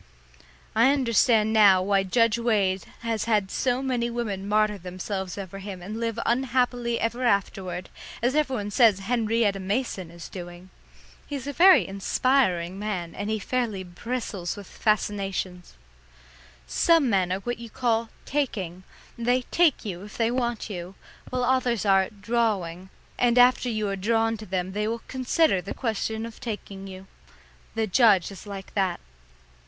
I understand now why Judge Wade has had so many women martyr themselves over him and live unhappily ever afterward, as everybody says Henrietta Mason is doing. He's a very inspiring man, and he fairly bristles with fascinations. Some men are what you call taking, and they take you if they want you, while others are drawing, and after you are drawn to them they will consider the question of taking you. The judge is like that.